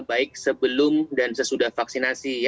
baik sebelum dan sesudah vaksinasi